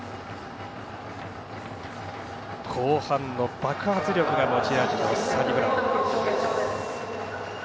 後半の爆発力が持ち味のサニブラウン。